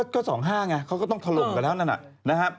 ก็๒๕ไงเขาก็ต้องทะลงกันแล้วนั่นน่ะ